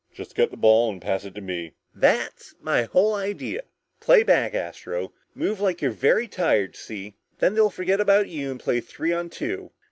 "Just get the ball and pass it to me." "That's my whole idea! Play back, Astro. Move like you're very tired, see? Then they'll forget about you and play three on two.